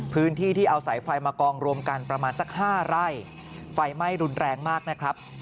พื้นที่ที่เอาสายไฟมากองรวมกันประมาณสัก๕ไร่ไฟไหม้รุนแรงมากนะครับ